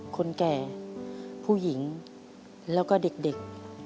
คนแก่ผู้หญิงแล้วก็เด็ก